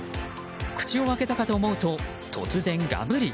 口を開けたかと思うと突然ガブリ。